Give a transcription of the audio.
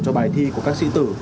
cho bài thi của các sĩ tử